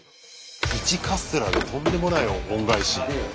１カステラでとんでもない恩返し。